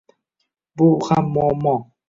Bu ham muammo.